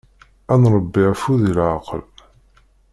Ad nṛebbi afud i lɛeqqal.